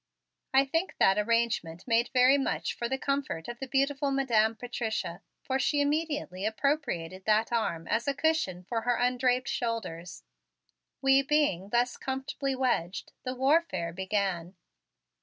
I think that arrangement made very much for the comfort of the beautiful Madam Patricia, for she immediately appropriated that arm as a cushion for her undraped shoulders. We being thus comfortably wedged, the warfare began.